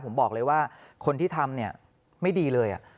ผมบอกเลยว่าคนที่ทำเนี่ยไม่ดีเลย